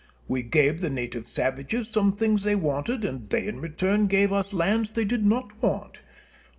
We gave the native savages some things they wanted, and they in return gave us lands they did not want.